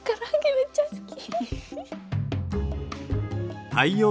めっちゃ好き！